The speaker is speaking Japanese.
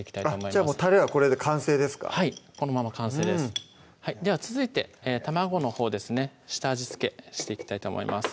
じゃあたれはこれで完成ですかはいこのまま完成ですでは続いて卵のほうですね下味付けしていきたいと思います